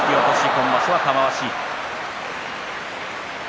今場所は玉鷲。